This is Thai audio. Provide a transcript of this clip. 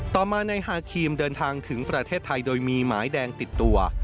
ต่อมานายฮาครีมเดินทางถึงประเทศไทยโดยมีหมายแดงติดตัว